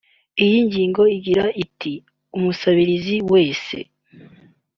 Iyi ngingo igira iti “Umusabirizi wese